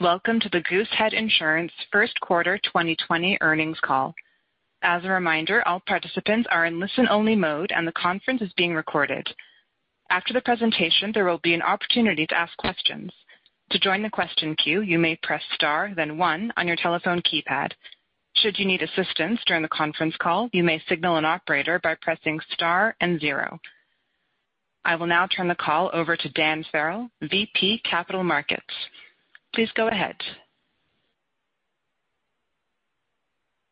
Welcome to the Goosehead Insurance first quarter 2020 earnings call. As a reminder, all participants are in listen-only mode and the conference is being recorded. After the presentation, there will be an opportunity to ask questions. To join the question queue, you may press star then one on your telephone keypad. Should you need assistance during the conference call, you may signal an operator by pressing star and zero. I will now turn the call over to Dan Farrell, VP Capital Markets. Please go ahead.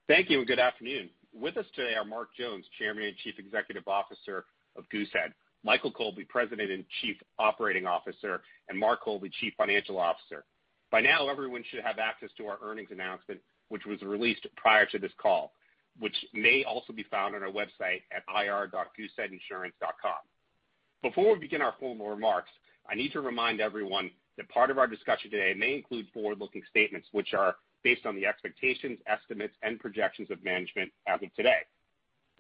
Thank you. Good afternoon. With us today are Mark Jones, Chairman and Chief Executive Officer of Goosehead, Michael Colby, President and Chief Operating Officer, and Mark Colby, Chief Financial Officer. By now, everyone should have access to our earnings announcement, which was released prior to this call, which may also be found on our website at ir.gooseheadinsurance.com. Before we begin our formal remarks, I need to remind everyone that part of our discussion today may include forward-looking statements which are based on the expectations, estimates, and projections of management as of today.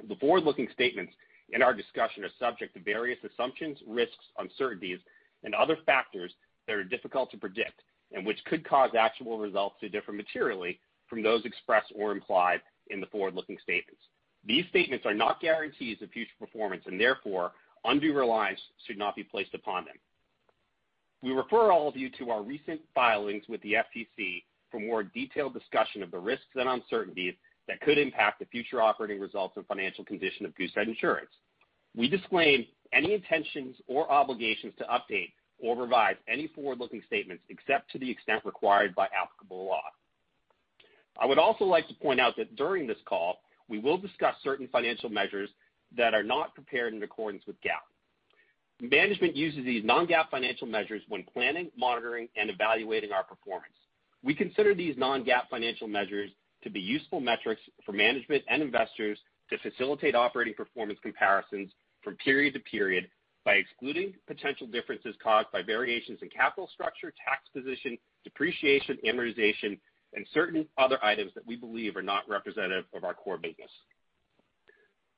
The forward-looking statements in our discussion are subject to various assumptions, risks, uncertainties and other factors that are difficult to predict and which could cause actual results to differ materially from those expressed or implied in the forward-looking statements. These statements are not guarantees of future performance, and therefore, undue reliance should not be placed upon them. We refer all of you to our recent filings with the SEC for more detailed discussion of the risks and uncertainties that could impact the future operating results and financial condition of Goosehead Insurance. We disclaim any intentions or obligations to update or revise any forward-looking statements, except to the extent required by applicable law. I would also like to point out that during this call, we will discuss certain financial measures that are not prepared in accordance with GAAP. Management uses these non-GAAP financial measures when planning, monitoring, and evaluating our performance. We consider these non-GAAP financial measures to be useful metrics for management and investors to facilitate operating performance comparisons from period to period by excluding potential differences caused by variations in capital structure, tax position, depreciation, amortization, and certain other items that we believe are not representative of our core business.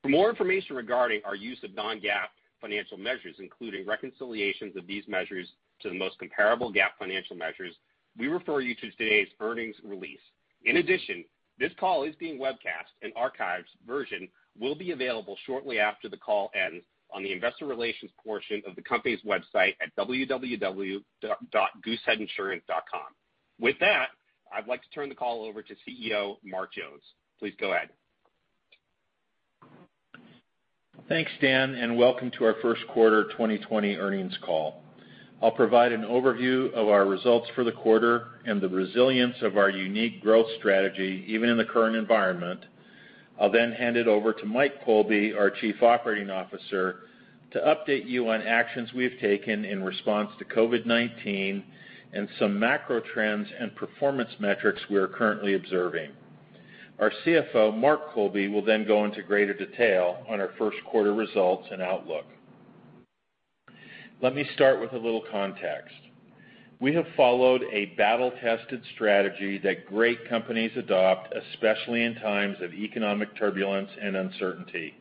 For more information regarding our use of non-GAAP financial measures, including reconciliations of these measures to the most comparable GAAP financial measures, we refer you to today's earnings release. In addition, this call is being webcast, and archives version will be available shortly after the call ends on the investor relations portion of the company's website at www.gooseheadinsurance.com. I'd like to turn the call over to CEO Mark Jones. Please go ahead. Thanks, Dan, welcome to our first quarter 2020 earnings call. I'll provide an overview of our results for the quarter and the resilience of our unique growth strategy, even in the current environment. I'll hand it over to Mike Colby, our Chief Operating Officer, to update you on actions we have taken in response to COVID-19 and some macro trends and performance metrics we are currently observing. Our CFO, Mark Colby, will go into greater detail on our first quarter results and outlook. Let me start with a little context. We have followed a battle-tested strategy that great companies adopt, especially in times of economic turbulence and uncertainty.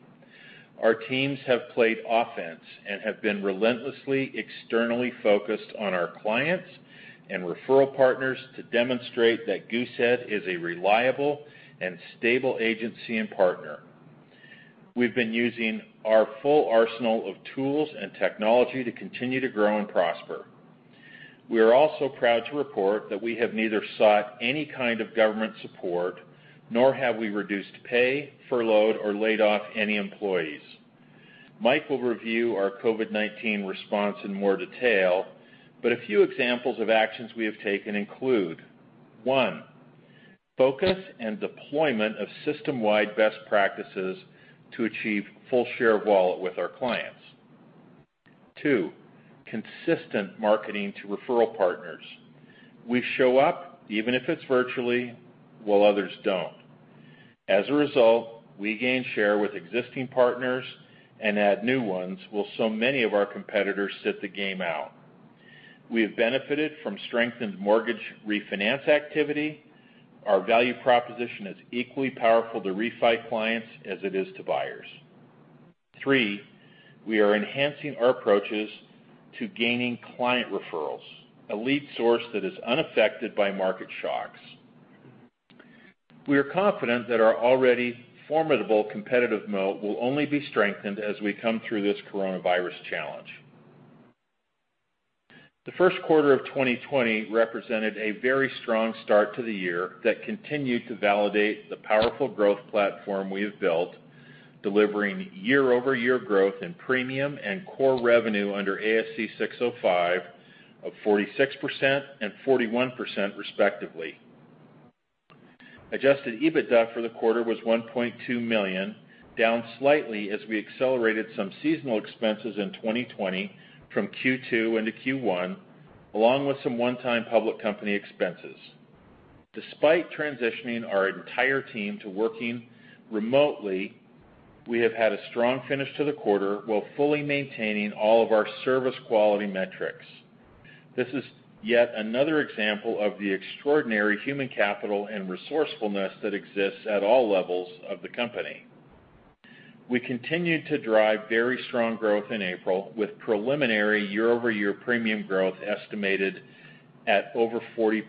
Our teams have played offense and have been relentlessly externally focused on our clients and referral partners to demonstrate that Goosehead is a reliable and stable agency and partner. We've been using our full arsenal of tools and technology to continue to grow and prosper. We are also proud to report that we have neither sought any kind of government support, nor have we reduced pay, furloughed, or laid off any employees. Mike will review our COVID-19 response in more detail, but a few examples of actions we have taken include: one, focus and deployment of system-wide best practices to achieve full share of wallet with our clients. two, consistent marketing to referral partners. We show up, even if it's virtually, while others don't. As a result, we gain share with existing partners and add new ones while so many of our competitors sit the game out. We have benefited from strengthened mortgage refinance activity. Our value proposition is equally powerful to refi clients as it is to buyers. three, we are enhancing our approaches to gaining client referrals, a lead source that is unaffected by market shocks. We are confident that our already formidable competitive moat will only be strengthened as we come through this coronavirus challenge. The first quarter of 2020 represented a very strong start to the year that continued to validate the powerful growth platform we have built, delivering year-over-year growth in premium and core revenue under ASC 605 of 46% and 41%, respectively. Adjusted EBITDA for the quarter was $1.2 million, down slightly as we accelerated some seasonal expenses in 2020 from Q2 into Q1, along with some one-time public company expenses. Despite transitioning our entire team to working remotely, we have had a strong finish to the quarter while fully maintaining all of our service quality metrics. This is yet another example of the extraordinary human capital and resourcefulness that exists at all levels of the company. We continue to drive very strong growth in April, with preliminary year-over-year premium growth estimated at over 40%.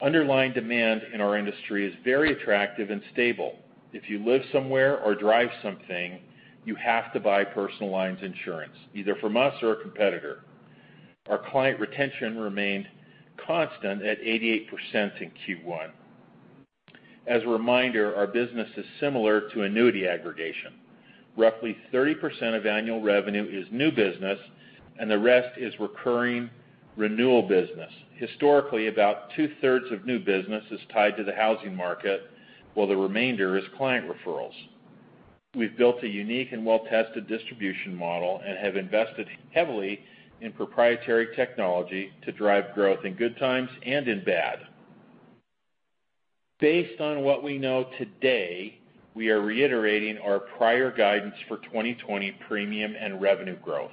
Underlying demand in our industry is very attractive and stable. If you live somewhere or drive something, you have to buy personal lines insurance, either from us or a competitor. Our client retention remained constant at 88% in Q1. As a reminder, our business is similar to annuity aggregation. Roughly 30% of annual revenue is new business and the rest is recurring renewal business. Historically, about two-thirds of new business is tied to the housing market, while the remainder is client referrals. We've built a unique and well-tested distribution model and have invested heavily in proprietary technology to drive growth in good times and in bad. Based on what we know today, we are reiterating our prior guidance for 2020 premium and revenue growth.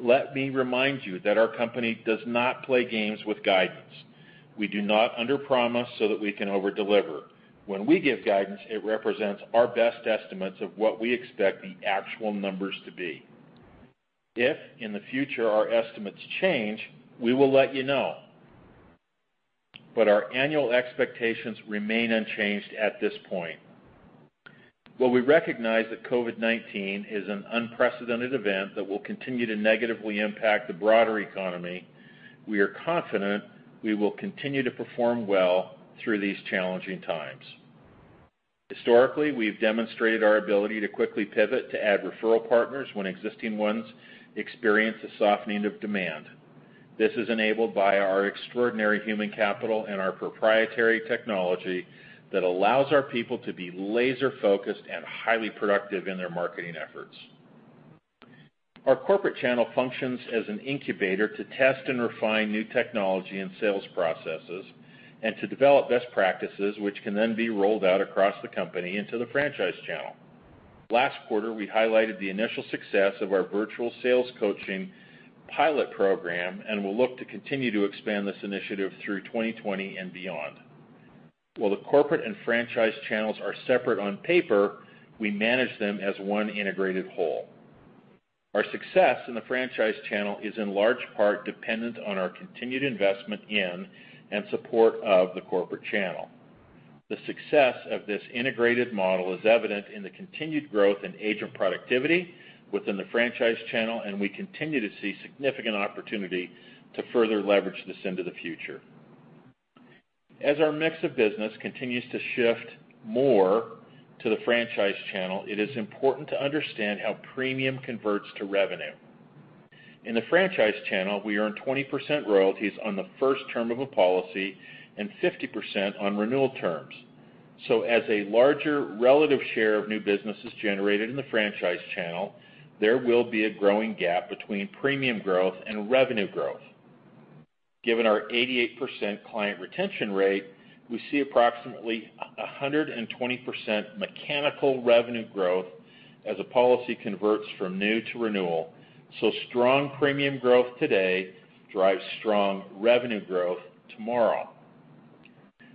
Let me remind you that our company does not play games with guidance. We do not underpromise so that we can overdeliver. When we give guidance, it represents our best estimates of what we expect the actual numbers to be. If, in the future, our estimates change, we will let you know. Our annual expectations remain unchanged at this point. While we recognize that COVID-19 is an unprecedented event that will continue to negatively impact the broader economy, we are confident we will continue to perform well through these challenging times. Historically, we've demonstrated our ability to quickly pivot to add referral partners when existing ones experience a softening of demand. This is enabled by our extraordinary human capital and our proprietary technology that allows our people to be laser-focused and highly productive in their marketing efforts. Our corporate channel functions as an incubator to test and refine new technology and sales processes, and to develop best practices which can then be rolled out across the company into the franchise channel. Last quarter, we highlighted the initial success of our virtual sales coaching pilot program and will look to continue to expand this initiative through 2020 and beyond. While the corporate and franchise channels are separate on paper, we manage them as one integrated whole. Our success in the franchise channel is in large part dependent on our continued investment in and support of the corporate channel. The success of this integrated model is evident in the continued growth in agent productivity within the franchise channel, and we continue to see significant opportunity to further leverage this into the future. As our mix of business continues to shift more to the franchise channel, it is important to understand how premium converts to revenue. In the franchise channel, we earn 20% royalties on the first term of a policy and 50% on renewal terms. As a larger relative share of new business is generated in the franchise channel, there will be a growing gap between premium growth and revenue growth. Given our 88% client retention rate, we see approximately 120% mechanical revenue growth as a policy converts from new to renewal. Strong premium growth today drives strong revenue growth tomorrow.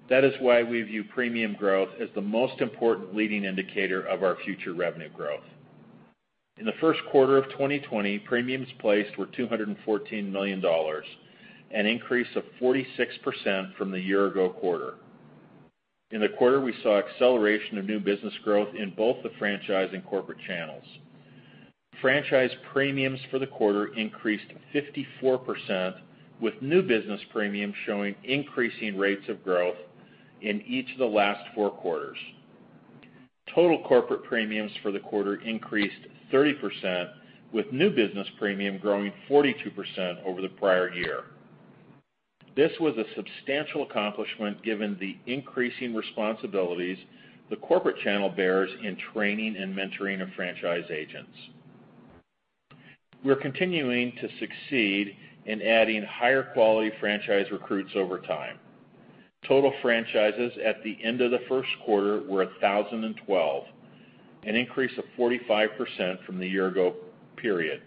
That is why we view premium growth as the most important leading indicator of our future revenue growth. In the first quarter of 2020, premiums placed were $214 million, an increase of 46% from the year ago quarter. In the quarter, we saw acceleration of new business growth in both the franchise and corporate channels. Franchise premiums for the quarter increased 54%, with new business premiums showing increasing rates of growth in each of the last four quarters. Total corporate premiums for the quarter increased 30%, with new business premium growing 42% over the prior year. This was a substantial accomplishment given the increasing responsibilities the corporate channel bears in training and mentoring of franchise agents. We're continuing to succeed in adding higher quality franchise recruits over time. Total franchises at the end of the first quarter were 1,012, an increase of 45% from the year ago period.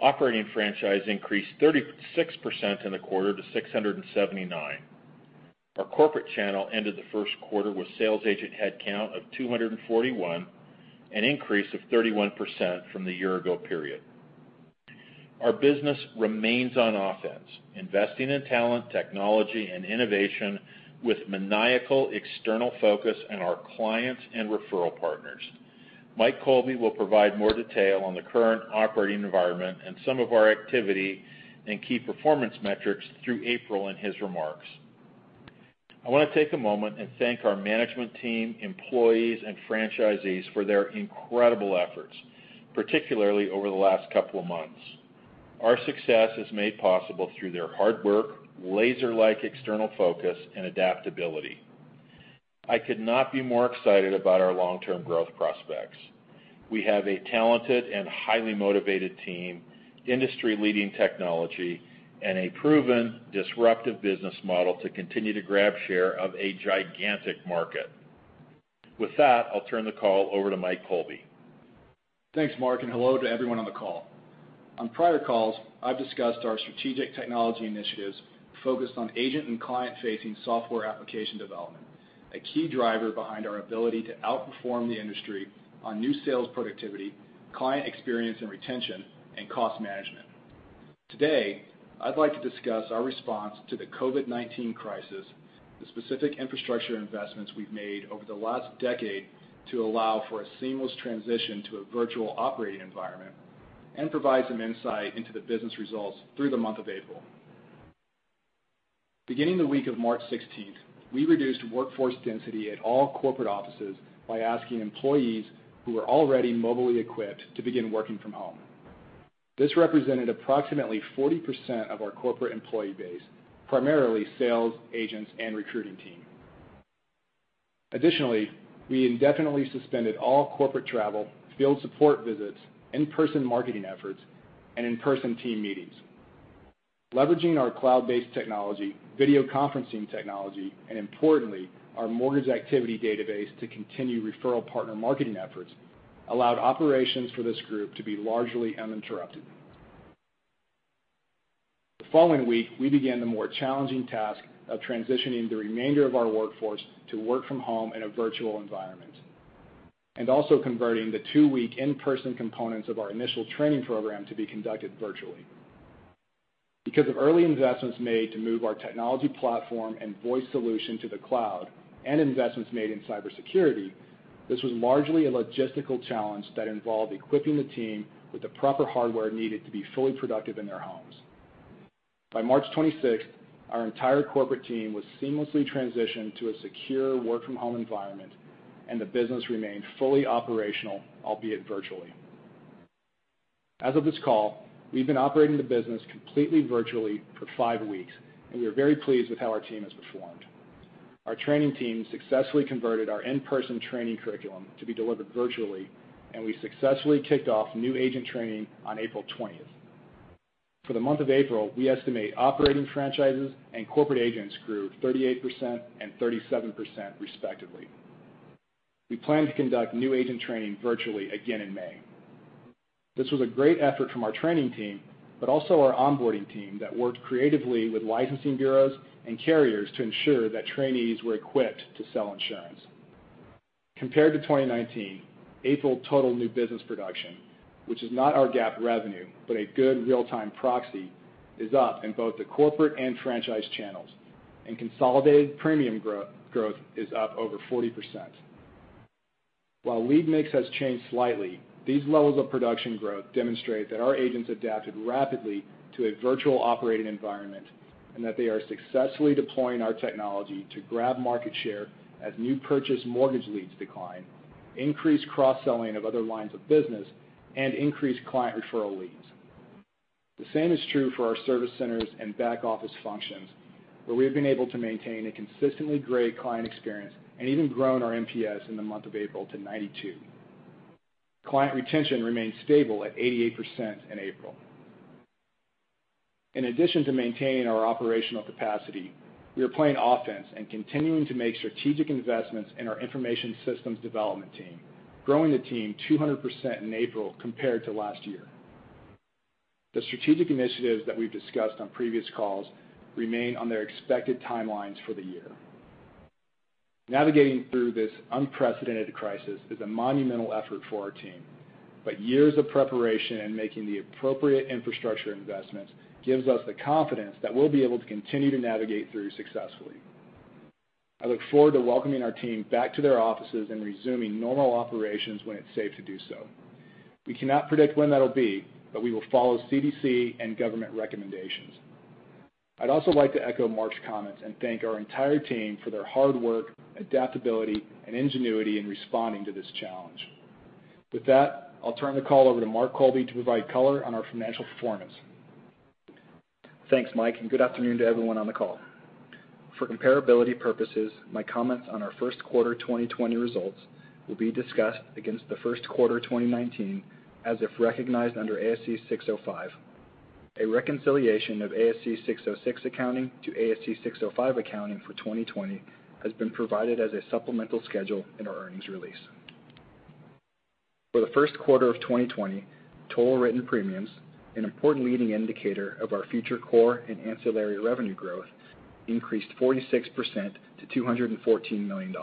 Operating franchise increased 36% in the quarter to 679. Our corporate channel ended the first quarter with sales agent headcount of 241, an increase of 31% from the year ago period. Our business remains on offense, investing in talent, technology and innovation with maniacal external focus on our clients and referral partners. Mike Colby will provide more detail on the current operating environment and some of our activity and key performance metrics through April in his remarks. I want to take a moment and thank our management team, employees and franchisees for their incredible efforts, particularly over the last couple of months. Our success is made possible through their hard work, laser-like external focus and adaptability. I could not be more excited about our long term growth prospects. We have a talented and highly motivated team, industry leading technology, and a proven disruptive business model to continue to grab share of a gigantic market. With that, I'll turn the call over to Mike Colby. Thanks, Mark, hello to everyone on the call. On prior calls, I've discussed our strategic technology initiatives focused on agent and client-facing software application development, a key driver behind our ability to outperform the industry on new sales productivity, client experience and retention, and cost management. Today, I'd like to discuss our response to the COVID-19 crisis, the specific infrastructure investments we've made over the last decade to allow for a seamless transition to a virtual operating environment, and provide some insight into the business results through the month of April. Beginning the week of March 16th, we reduced workforce density at all corporate offices by asking employees who were already mobily equipped to begin working from home. This represented approximately 40% of our corporate employee base, primarily sales, agents, and recruiting team. Additionally, we indefinitely suspended all corporate travel, field support visits, in-person marketing efforts, and in-person team meetings. Leveraging our cloud-based technology, video conferencing technology, and importantly, our mortgage activity database to continue referral partner marketing efforts, allowed operations for this group to be largely uninterrupted. The following week, we began the more challenging task of transitioning the remainder of our workforce to work from home in a virtual environment, and also converting the two-week in-person components of our initial training program to be conducted virtually. Because of early investments made to move our technology platform and voice solution to the cloud, and investments made in cybersecurity, this was largely a logistical challenge that involved equipping the team with the proper hardware needed to be fully productive in their homes. By March 26th, our entire corporate team was seamlessly transitioned to a secure work-from-home environment, and the business remained fully operational, albeit virtually. As of this call, we've been operating the business completely virtually for five weeks, and we are very pleased with how our team has performed. Our training team successfully converted our in-person training curriculum to be delivered virtually, and we successfully kicked off new agent training on April 20th. For the month of April, we estimate operating franchises and corporate agents grew 38% and 37% respectively. We plan to conduct new agent training virtually again in May. This was a great effort from our training team, but also our onboarding team that worked creatively with licensing bureaus and carriers to ensure that trainees were equipped to sell insurance. Compared to 2019, April total new business production, which is not our GAAP revenue, but a good real-time proxy, is up in both the corporate and franchise channels, and consolidated premium growth is up over 40%. While lead mix has changed slightly, these levels of production growth demonstrate that our agents adapted rapidly to a virtual operating environment, and that they are successfully deploying our technology to grab market share as new purchase mortgage leads decline, increase cross-selling of other lines of business, and increase client referral leads. The same is true for our service centers and back-office functions, where we have been able to maintain a consistently great client experience and even grown our NPS in the month of April to 92. Client retention remains stable at 88% in April. In addition to maintaining our operational capacity, we are playing offense and continuing to make strategic investments in our information systems development team, growing the team 200% in April compared to last year. The strategic initiatives that we've discussed on previous calls remain on their expected timelines for the year. Navigating through this unprecedented crisis is a monumental effort for our team, but years of preparation and making the appropriate infrastructure investments gives us the confidence that we'll be able to continue to navigate through successfully. I look forward to welcoming our team back to their offices and resuming normal operations when it's safe to do so. We cannot predict when that'll be, but we will follow CDC and government recommendations. I'd also like to echo Mark's comments and thank our entire team for their hard work, adaptability, and ingenuity in responding to this challenge. With that, I'll turn the call over to Mark Colby to provide color on our financial performance. Thanks, Mike, good afternoon to everyone on the call. For comparability purposes, my comments on our first quarter 2020 results will be discussed against the first quarter 2019 as if recognized under ASC 605. A reconciliation of ASC 606 accounting to ASC 605 accounting for 2020 has been provided as a supplemental schedule in our earnings release. For the first quarter of 2020, total written premiums, an important leading indicator of our future core and ancillary revenue growth, increased 46% to $214 million.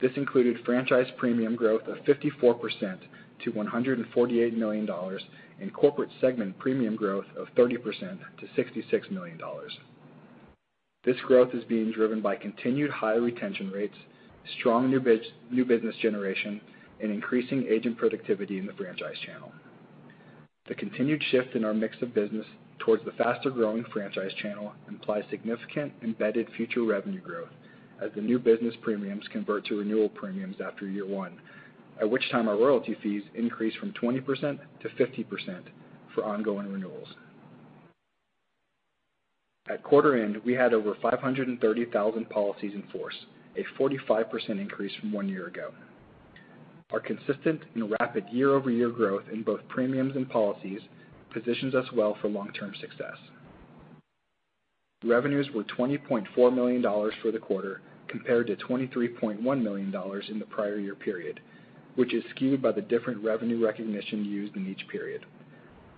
This included franchise premium growth of 54% to $148 million, and corporate segment premium growth of 30% to $66 million. This growth is being driven by continued high retention rates, strong new business generation, and increasing agent productivity in the franchise channel. The continued shift in our mix of business towards the faster-growing franchise channel implies significant embedded future revenue growth as the new business premiums convert to renewal premiums after year one, at which time our royalty fees increase from 20% to 50% for ongoing renewals. At quarter end, we had over 530,000 policies in force, a 45% increase from one year ago. Our consistent and rapid year-over-year growth in both premiums and policies positions us well for long-term success. Revenues were $20.4 million for the quarter compared to $23.1 million in the prior year period, which is skewed by the different revenue recognition used in each period.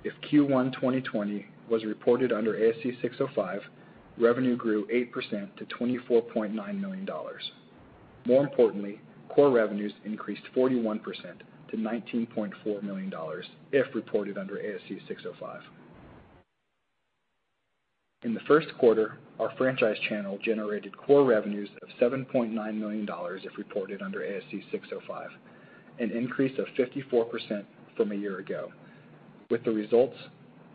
If Q1 2020 was reported under ASC 605, revenue grew 8% to $24.9 million. More importantly, core revenues increased 41% to $19.4 million if reported under ASC 605. In the first quarter, our franchise channel generated core revenues of $7.9 million if reported under ASC 605, an increase of 54% from a year ago, with the results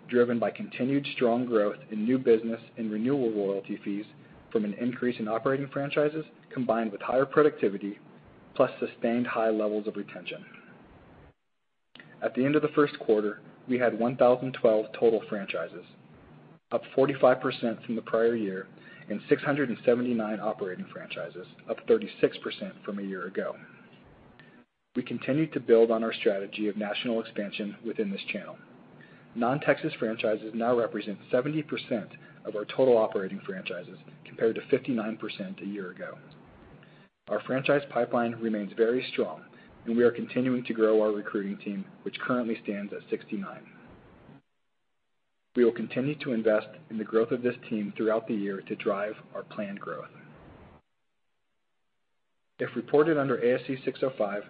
driven by continued strong growth in new business and renewal royalty fees from an increase in operating franchises combined with higher productivity, plus sustained high levels of retention. At the end of the first quarter, we had 1,012 total franchises, up 45% from the prior year, and 679 operating franchises, up 36% from a year ago. We continued to build on our strategy of national expansion within this channel. Non-Texas franchises now represent 70% of our total operating franchises compared to 59% a year ago. Our franchise pipeline remains very strong, and we are continuing to grow our recruiting team, which currently stands at 69. We will continue to invest in the growth of this team throughout the year to drive our planned growth. If reported under ASC 605,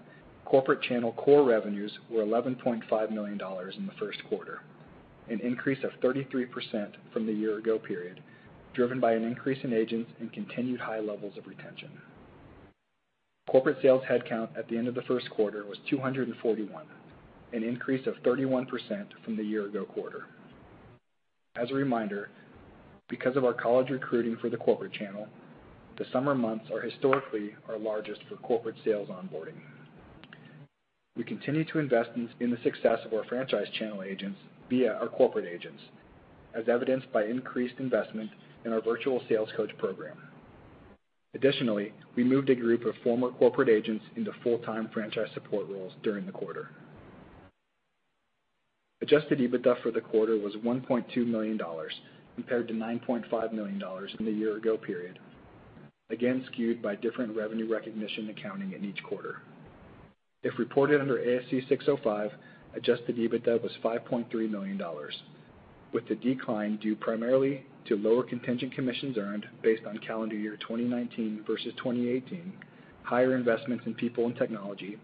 corporate channel core revenues were $11.5 million in the first quarter, an increase of 33% from the year ago period, driven by an increase in agents and continued high levels of retention. Corporate sales headcount at the end of the first quarter was 241, an increase of 31% from the year ago quarter. As a reminder, because of our college recruiting for the corporate channel, the summer months are historically our largest for corporate sales onboarding. We continue to invest in the success of our franchise channel agents via our corporate agents, as evidenced by increased investment in our virtual sales coach program. Additionally, we moved a group of former corporate agents into full-time franchise support roles during the quarter. Adjusted EBITDA for the quarter was $1.2 million compared to $9.5 million in the year ago period, again skewed by different revenue recognition accounting in each quarter. If reported under ASC 605, Adjusted EBITDA was $5.3 million, with the decline due primarily to lower contingent commissions earned based on calendar year 2019 versus 2018, higher investments in people and technology,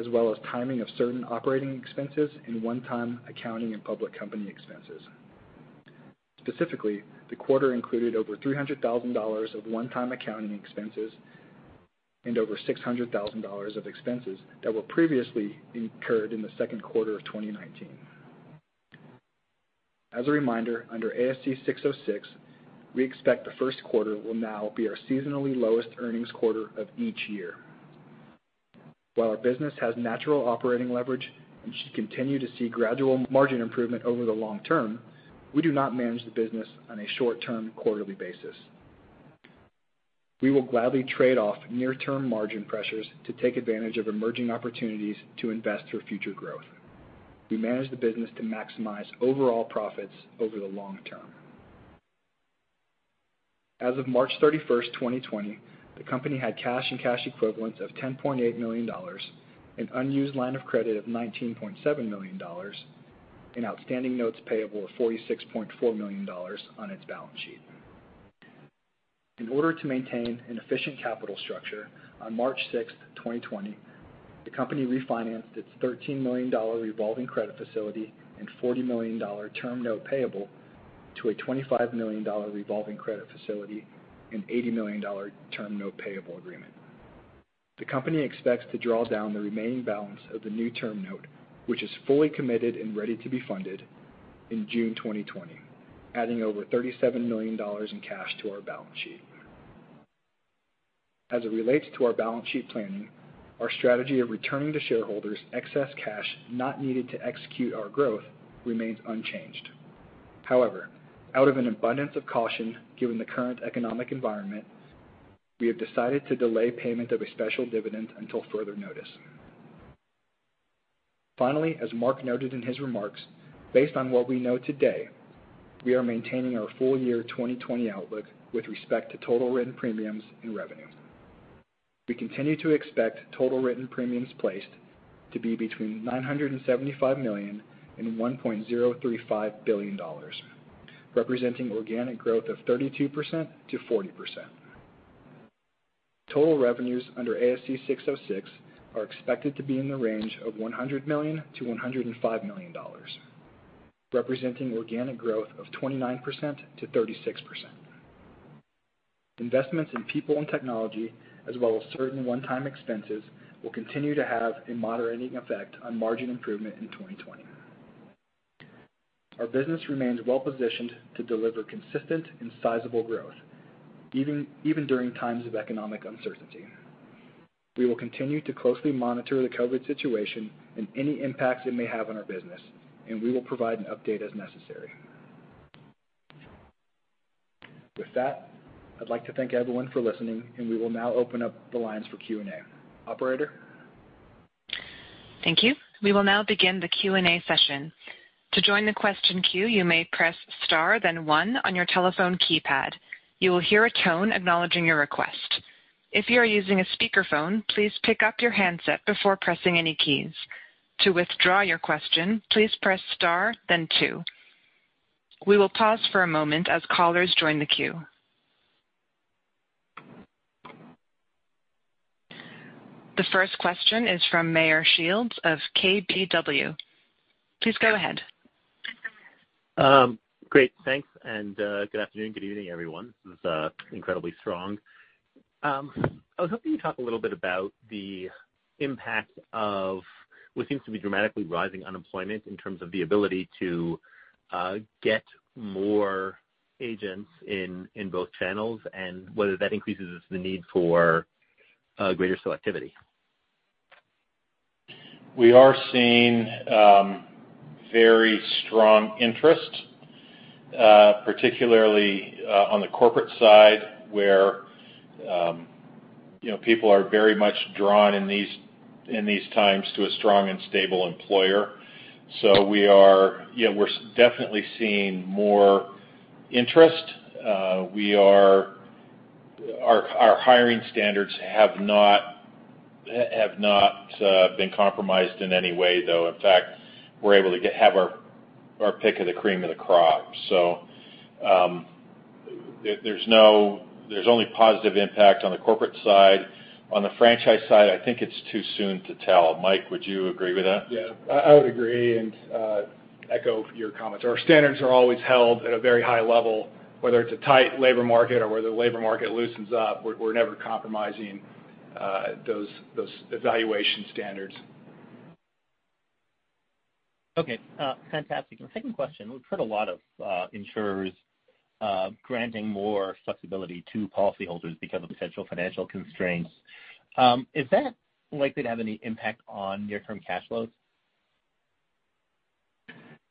as well as timing of certain operating expenses and one-time accounting and public company expenses. Specifically, the quarter included over $300,000 of one-time accounting expenses and over $600,000 of expenses that were previously incurred in the second quarter of 2019. As a reminder, under ASC 606, we expect the first quarter will now be our seasonally lowest earnings quarter of each year. While our business has natural operating leverage and should continue to see gradual margin improvement over the long term, we do not manage the business on a short-term, quarterly basis. We will gladly trade off near-term margin pressures to take advantage of emerging opportunities to invest for future growth. We manage the business to maximize overall profits over the long term. As of March 31st, 2020, the company had cash and cash equivalents of $10.8 million, an unused line of credit of $19.7 million, and outstanding notes payable of $46.4 million on its balance sheet. In order to maintain an efficient capital structure, on March 6th, 2020, the company refinanced its $13 million revolving credit facility and $40 million term note payable to a $25 million revolving credit facility and $80 million term note payable agreement. The company expects to draw down the remaining balance of the new term note, which is fully committed and ready to be funded, in June 2020, adding over $37 million in cash to our balance sheet. As it relates to our balance sheet planning, our strategy of returning to shareholders excess cash not needed to execute our growth remains unchanged. However, out of an abundance of caution, given the current economic environment, we have decided to delay payment of a special dividend until further notice. Finally, as Mark noted in his remarks, based on what we know today, we are maintaining our full year 2020 outlook with respect to total written premiums and revenue. We continue to expect total written premiums placed to be between $975 million and $1.035 billion, representing organic growth of 32%-40%. Total revenues under ASC 606 are expected to be in the range of $100 million to $105 million, representing organic growth of 29%-36%. Investments in people and technology, as well as certain one-time expenses, will continue to have a moderating effect on margin improvement in 2020. Our business remains well-positioned to deliver consistent and sizable growth, even during times of economic uncertainty. We will continue to closely monitor the COVID situation and any impacts it may have on our business, and we will provide an update as necessary. With that, I'd like to thank everyone for listening, and we will now open up the lines for Q&A. Operator Thank you. We will now begin the Q&A session. To join the question queue, you may press star then one on your telephone keypad. You will hear a tone acknowledging your request. If you are using a speakerphone, please pick up your handset before pressing any keys. To withdraw your question, please press star then two. We will pause for a moment as callers join the queue. The first question is from Meyer Shields of KBW. Please go ahead. Great, thanks. Good afternoon, good evening, everyone. This is incredibly strong. I was hoping you'd talk a little bit about the impact of what seems to be dramatically rising unemployment in terms of the ability to get more agents in both channels, and whether that increases the need for greater selectivity. We are seeing very strong interest, particularly on the corporate side, where people are very much drawn in these times to a strong and stable employer. We're definitely seeing more interest. Our hiring standards have not been compromised in any way, though. In fact, we're able to have our pick of the cream of the crop. There's only positive impact on the corporate side. On the franchise side, I think it's too soon to tell. Mike, would you agree with that? Yeah, I would agree and echo your comments. Our standards are always held at a very high level, whether it's a tight labor market or whether the labor market loosens up, we're never compromising those evaluation standards. Okay, fantastic. My second question, we've heard a lot of insurers granting more flexibility to policyholders because of potential financial constraints. Is that likely to have any impact on near-term cash flows?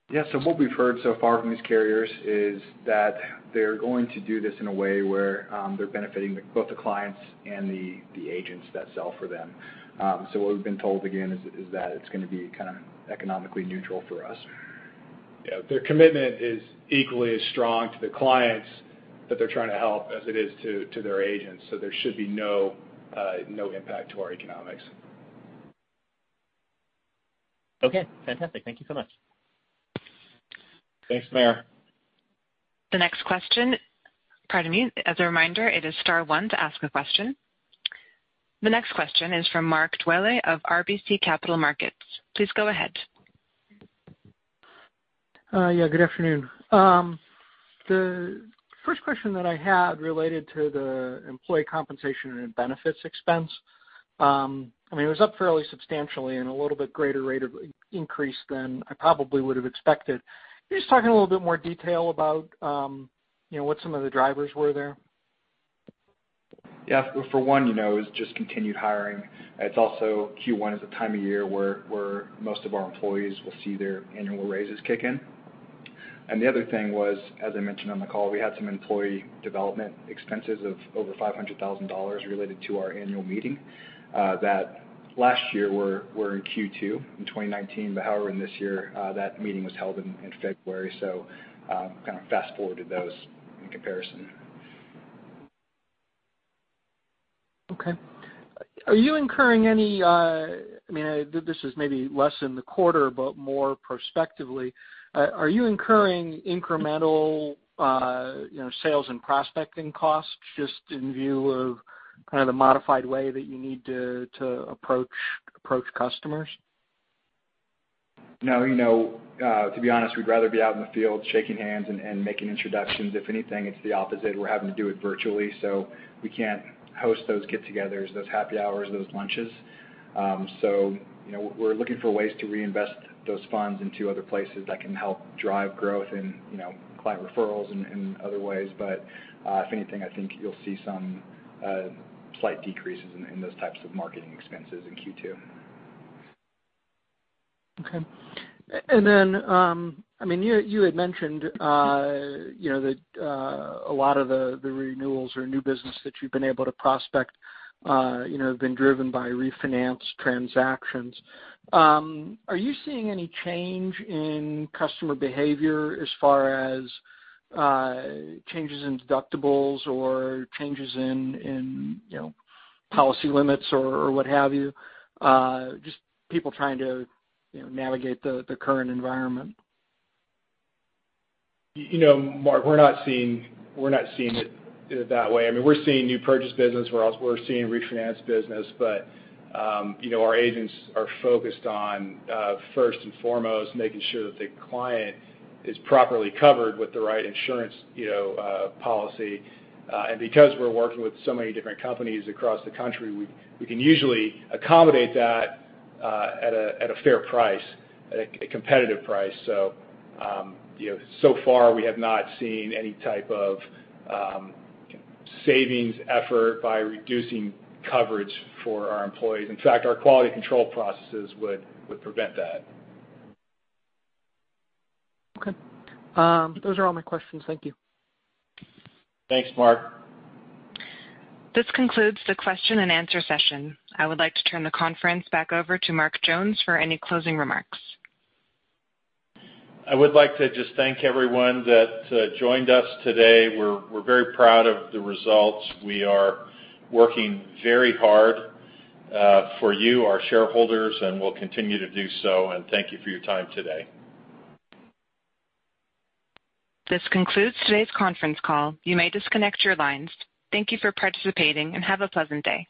Yes. What we've heard so far from these carriers is that they're going to do this in a way where they're benefiting both the clients and the agents that sell for them. What we've been told, again, is that it's going to be kind of economically neutral for us. Yeah. Their commitment is equally as strong to the clients that they're trying to help as it is to their agents, so there should be no impact to our economics. Okay, fantastic. Thank you so much. Thanks, Meyer. The next question. Pardon me. As a reminder, it is star one to ask a question. The next question is from Mark Dwelle of RBC Capital Markets. Please go ahead. Yeah, good afternoon. The first question that I had related to the employee compensation and benefits expense. It was up fairly substantially and a little bit greater rate of increase than I probably would've expected. Can you just talk in a little bit more detail about what some of the drivers were there? Yeah. For one, it was just continued hiring. It's also Q1 is a time of year where most of our employees will see their annual raises kick in. The other thing was, as I mentioned on the call, we had some employee development expenses of over $500,000 related to our annual meeting, that last year were in Q2 in 2019. However, in this year, that meeting was held in February, so kind of fast-forwarded those in comparison. Okay. Are you incurring any, this is maybe less in the quarter, but more prospectively, are you incurring incremental sales and prospecting costs just in view of kind of the modified way that you need to approach customers? No. To be honest, we'd rather be out in the field shaking hands and making introductions. If anything, it's the opposite. We're having to do it virtually, we can't host those get-togethers, those happy hours, those lunches. We're looking for ways to reinvest those funds into other places that can help drive growth in client referrals in other ways. If anything, I think you'll see some slight decreases in those types of marketing expenses in Q2. Okay. You had mentioned that a lot of the renewals or new business that you've been able to prospect have been driven by refinance transactions. Are you seeing any change in customer behavior as far as changes in deductibles or changes in policy limits or what have you, just people trying to navigate the current environment? Mark, we're not seeing it that way. We're seeing new purchase business, whereas we're seeing refinance business. Our agents are focused on, first and foremost, making sure that the client is properly covered with the right insurance policy. Because we're working with so many different companies across the country, we can usually accommodate that at a fair price, at a competitive price. So far, we have not seen any type of savings effort by reducing coverage for our employees. In fact, our quality control processes would prevent that. Okay. Those are all my questions. Thank you. Thanks, Mark. This concludes the question and answer session. I would like to turn the conference back over to Mark Jones for any closing remarks. I would like to just thank everyone that joined us today. We're very proud of the results. We are working very hard for you, our shareholders, and will continue to do so. Thank you for your time today. This concludes today's conference call. You may disconnect your lines. Thank you for participating, and have a pleasant day.